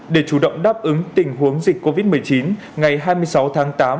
để chủ động đáp ứng tình huống dịch covid một mươi chín ngày hai mươi sáu tháng tám